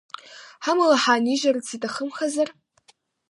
Ҳамала ҳаанижьырц иҭахымхазар?